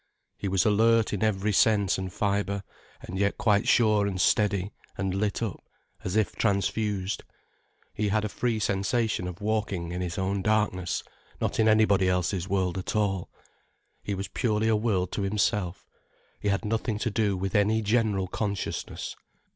He was alert in every sense and fibre, and yet quite sure and steady, and lit up, as if transfused. He had a free sensation of walking in his own darkness, not in anybody else's world at all. He was purely a world to himself, he had nothing to do with any general consciousness.